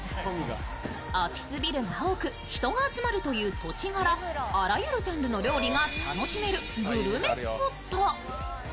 オフィスビルが多く、人が集まるという土地柄、あらゆるジャンルの料理が楽しめるグルメスポット。